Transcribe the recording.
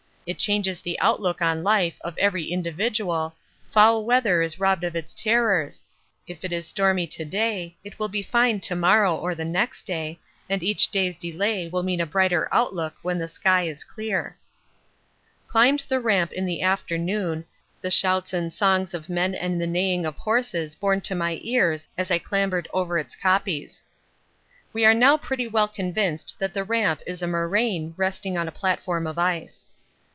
It changes the outlook on life of every individual, foul weather is robbed of its terrors; if it is stormy to day it will be fine to morrow or the next day, and each day's delay will mean a brighter outlook when the sky is clear. Climbed the Ramp in the afternoon, the shouts and songs of men and the neighing of horses borne to my ears as I clambered over its kopjes. We are now pretty well convinced that the Ramp is a moraine resting on a platform of ice.